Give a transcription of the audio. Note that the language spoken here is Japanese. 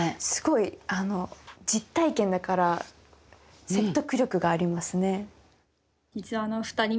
すごい実体験だから説得力がありますね。